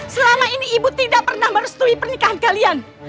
selama ini ibu tidak pernah merestui pernikahan kalian